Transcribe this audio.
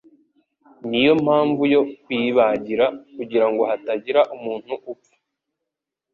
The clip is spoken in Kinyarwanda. Niyo mpamvu yo kuyibagira ngo hatagira umuntu upfa